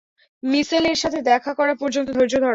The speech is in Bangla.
মিশেলের সাথে দেখা করা পর্যন্ত ধৈর্য ধরো।